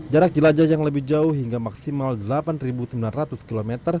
jarak jelajah yang lebih jauh hingga maksimal delapan sembilan ratus km